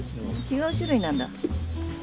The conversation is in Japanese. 違う種類なんだ。